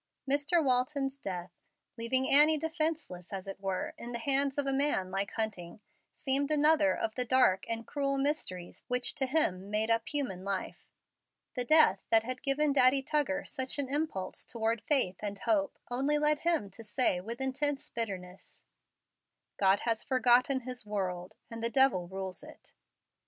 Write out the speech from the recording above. Mr. Walton's death, leaving Annie defenceless, as it were, in the hands of a man like Hunting, seemed another of the dark and cruel mysteries which to him made up human life. The death that had given Daddy Tuggar such an impulse toward faith and hope only led him to say with intense bitterness, "God has forgotten His world, and the devil rules it."